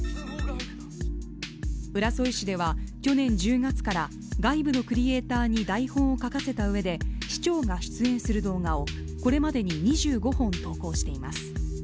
浦添市では去年１０月から外部のクリエイターに台本を書かせたうえで、市長が出演する動画をこれまでに２５本投稿しています。